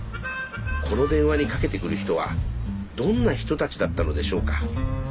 この電話にかけてくる人はどんな人たちだったのでしょうか。